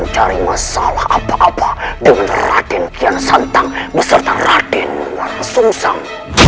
cari masalah apa apa dengan raden kian santang beserta raden maksungsang